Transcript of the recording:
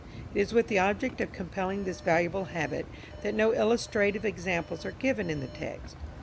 _ It is with the object of compelling this valuable habit that no illustrative examples are given in the text.